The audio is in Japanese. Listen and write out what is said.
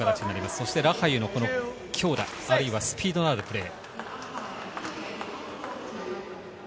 そしてラハユの強打、スピードのあるプレー。